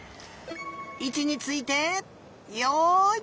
いちについてよい。